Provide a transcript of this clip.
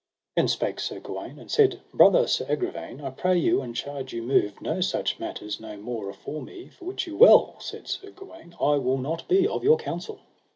Then spake Sir Gawaine, and said: Brother Sir Agravaine, I pray you and charge you move no such matters no more afore me, for wit you well, said Sir Gawaine, I will not be of your counsel.